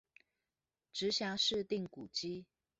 直轄市定古蹟